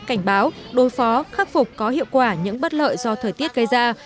cảnh báo đối phó khắc phục có hiệu quả những bất lợi do thời tiết gây ra